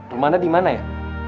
rumahnya dimana ya